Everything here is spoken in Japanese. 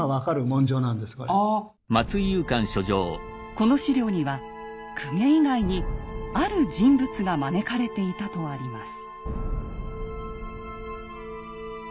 この史料には公家以外にある人物が招かれていたとあります。